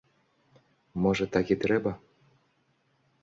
Можа, так і трэба.